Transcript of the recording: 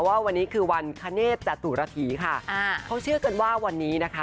ว่าวันนี้คือวันคเนธจตุรฐีค่ะอ่าเขาเชื่อกันว่าวันนี้นะคะ